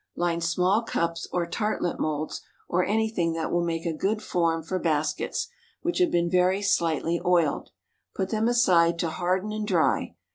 Line small cups or tartlet moulds, or anything that will make a good form for baskets, which have been very slightly oiled. Put them aside to harden and dry.